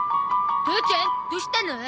父ちゃんどうしたの？